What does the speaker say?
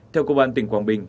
theo cô bạn tỉnh quảng bình